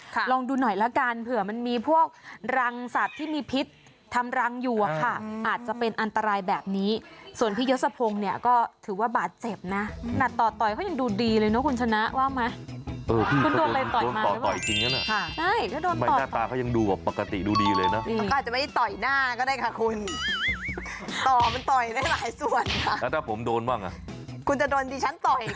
ที่กำจัดรังอยู่อะค่ะอาจจะเป็นอันตรายแบบนี้ส่วนพี่เยอะสะพงเนี่ยก็ถือว่าบาดเจ็บนะหนัดต่อต่อยเขายังดูดีเลยเนอะคุณชนะว่าไหมคุณโดนอะไรต่อยมาหรือเปล่า